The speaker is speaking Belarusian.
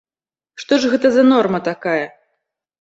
Што ж гэта за норма такая?